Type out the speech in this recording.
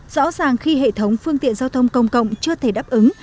rõ ràng khi hệ thống phương tiện giao thông công cộng chưa thể đáp ứng